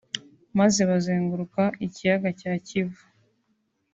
maze bazenguruka ikiyaga cya Kivu